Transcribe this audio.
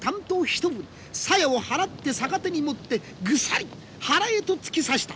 さやを払って逆手に持ってぐさり腹へと突き刺した。